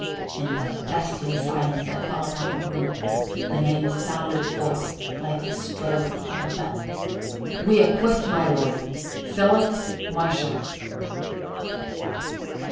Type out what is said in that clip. In the deathly silence that fell upon the room the name sounded forth like the stroke of a bell. "We acquit, my lord, Philip Marsham."